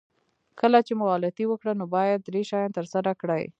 کله چې مو غلطي وکړه نو باید درې شیان ترسره کړئ.